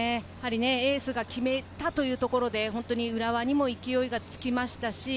エースが決めたというところで浦和に勢いがつきました。